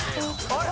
あれ？